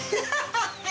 ハハハ